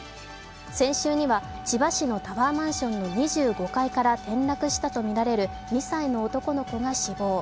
先週には千葉市のタワーマンションの２５階から転落したとみられる２歳の男の子が死亡。